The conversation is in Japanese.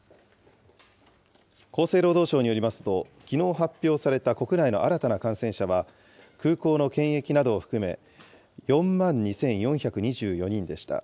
厚生労働省によりますと、きのう発表された国内の新たな感染者は、空港の検疫などを含め、４万２４２４人でした。